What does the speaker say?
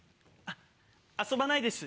遊ばないです